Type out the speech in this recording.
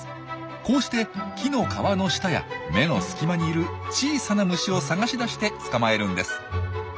こうして木の皮の下や芽の隙間にいる小さな虫を探し出して捕まえるんです。